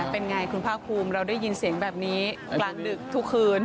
เป็นไงคุณภาคภูมิเราได้ยินเสียงแบบนี้กลางดึกทุกคืน